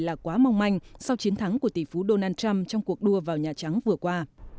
là quá mong manh sau chiến thắng của tỷ phú donald trump trong cuộc đua vào nhà trắng vừa qua